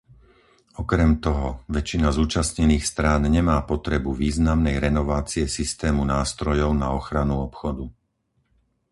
Okrem toho, väčšina zúčastnených strán nemá potrebu významnej renovácie systému nástrojov na ochranu obchodu.